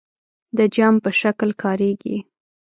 د جمع په شکل کاریږي.